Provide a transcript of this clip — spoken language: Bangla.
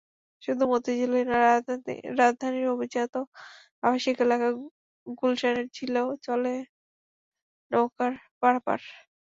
শুধু মতিঝিলেই নয়, রাজধানীর অভিজাত আবাসিক এলাকা গুলশানের ঝিলেও চলে নৌকায় পারাপার।